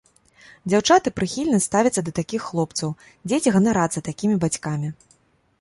Дзяўчаты прыхільна ставяцца да такіх хлопцаў, дзеці ганарацца такімі бацькамі.